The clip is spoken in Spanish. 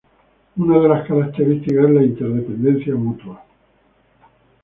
Una de las características es la interdependencia mutua.